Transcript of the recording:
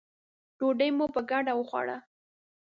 ډوډۍ مو په ګډه وخوړه.